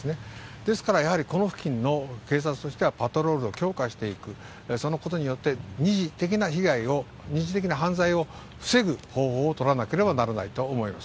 ですから、やはりこの付近の警察としては、パトロールを強化していく、そのことによって、２次的な被害を、２次的な犯罪を防ぐ方法を取らなければならないと思います。